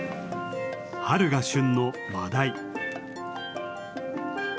春が旬のマダイ。